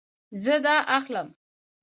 زه دا اخلم